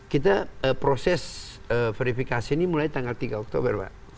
kita proses verifikasi ini mulai tanggal tiga oktober pak